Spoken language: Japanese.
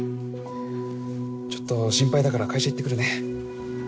ちょっと心配だから会社行ってくるね。